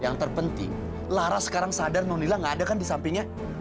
yang terpenting lara sekarang sadar nonila gak ada kan di sampingnya